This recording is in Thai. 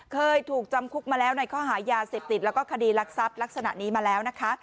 เคยถูกจำคุกมาแล้วในข้อหายาเสพติดแล้วก็คดีรักทรัพย์ลักษณะนี้มาแล้วนะคะ